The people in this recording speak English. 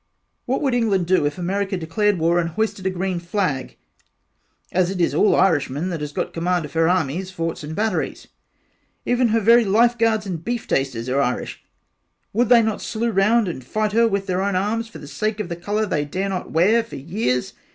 What would England do if America declared war and hoisted a green flag as its all Irishmen that has got command of her armies forts and batteries even her very life guards and beef tasters are Irish would they not slew around and fight her with their own arms for the sake of the colour they dare not wear for years.